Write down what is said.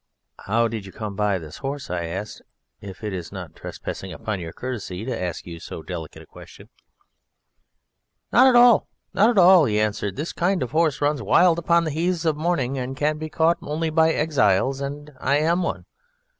"How did you come by this horse?" said I; "if it is not trespassing upon your courtesy to ask you so delicate a question." "Not at all; not at all," he answered. "This kind of horse runs wild upon the heaths of morning and can be caught only by Exiles: and I am one....